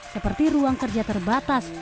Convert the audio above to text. seperti ruang kerja terbatas